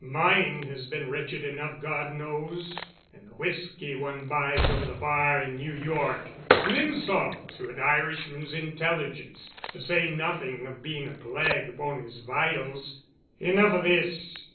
Mine has been wretched enough, God knows, and the whisky one buys over the bar in New York is an insult to an Irishman's intelligence, to say nothing of being a plague upon his vitals. "Enough of this.